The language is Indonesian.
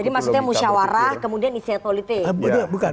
jadi maksudnya musyawarah kemudian istihad politik